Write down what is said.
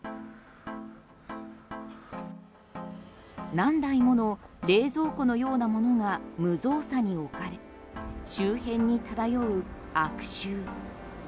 何台もの冷蔵庫のようなものが無造作に置かれ周辺に漂う悪臭。